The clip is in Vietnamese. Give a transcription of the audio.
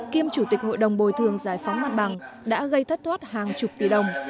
kiêm chủ tịch hội đồng bồi thường giải phóng mặt bằng đã gây thất thoát hàng chục tỷ đồng